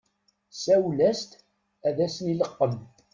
Sawel-as-d ad asen-ileqqem.